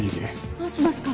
どうしますか？